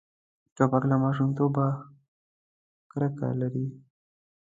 توپک له ماشومتوبه کرکه لري.